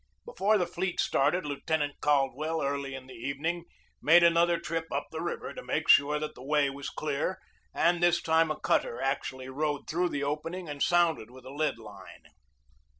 Before the fleet started, Lieutenant Caldwell, early in the evening, made an other trip up the river to make sure that the way was clear, and this time a cutter actually rowed through the opening and sounded with a lead line.